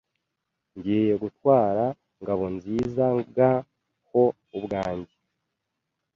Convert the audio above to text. Ngiye gutwara Ngabonzizanga ho ubwanjye.